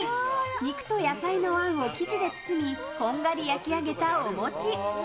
肉と野菜のあんを生地で包みこんがり焼き上げた、お餅。